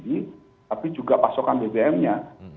tapi juga pasokan bbm nya